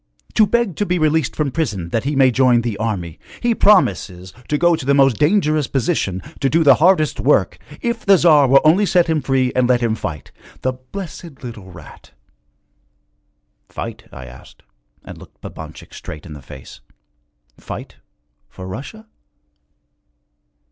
To beg to be released from prison that he may join the army. He promises to go to the most dangerous position, to do the hardest work, if the Tsar will only set him free and let him fight. The blessed little rat!' 'Fight?' I asked, and looked Babanchik straight in the face, 'fight for Russia?'